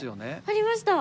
ありました。